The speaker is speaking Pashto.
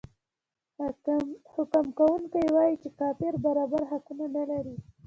حکم کوونکی وايي چې کافر برابر حقوق نلري.